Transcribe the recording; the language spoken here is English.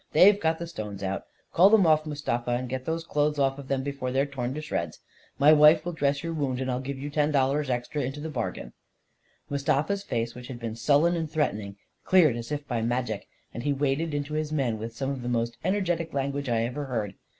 They've got the stones out — call them off, Mustafa, and get those clothes off of them before they're torn to shreds. My wife will dress your wound — and I'll give you ten dollars extra into the bargain ..." Mustafa's face, which had been sullen and threat ening, cleared as if by magic, and he waded into his men with some of the most energetic language I ever heard.